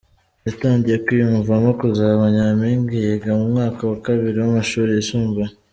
Yatangiye kwiyumvamo kuzaba Nyampinga yiga mu mwaka wa kabiri w’amashuri yisumbuye.